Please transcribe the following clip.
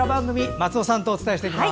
松尾さんとお伝えしていきます。